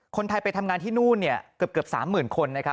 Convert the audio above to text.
คนไทยไปทำงานที่นู่นเนี่ยเกือบเกือบสามหมื่นคนนะครับ